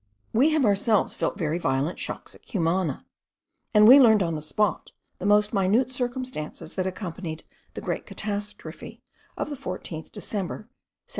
We have ourselves felt very violent shocks at Cumana; and we learned on the spot, the most minute circumstances that accompanied the great catastrophe of the 14th December, 1797.